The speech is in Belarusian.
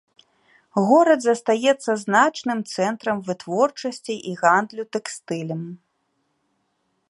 Горад застаецца значным цэнтрам вытворчасці і гандлю тэкстылем.